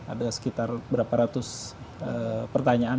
ada sekitar berapa ratus pertanyaan